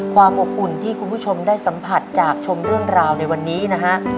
ความอบอุ่นที่คุณผู้ชมได้สัมผัสจากชมเรื่องราวในวันนี้นะฮะ